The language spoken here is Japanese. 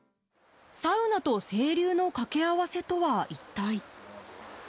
サウナと清流の掛け合わせとは一体？